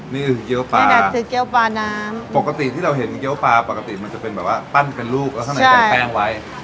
นี่คือเกี๊ยวปลาปกติที่เราเห็นเกี๊ยวปลามันจะเป็นแบบว่าปั้นกันลูกแล้วข้างในใส่แป้งไว้